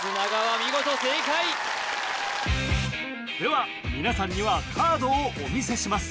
見事正解では皆さんにはカードをお見せします